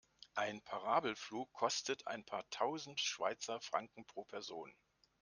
Ein Parabelflug kostet ein paar tausend Schweizer Franken pro Person.